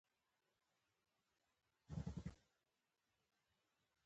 نه، زما خوښه دا ده چې زما مېړه راسره پاتې شي.